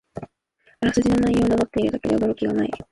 あらすじの内容をなぞっているだけで驚きがない